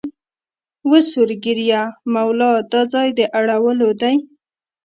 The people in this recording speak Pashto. وه سور ږیریه مولا دا ځای د اړولو دی